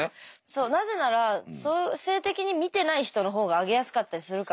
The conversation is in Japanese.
そうなぜなら性的に見てない人の方が上げやすかったりするから。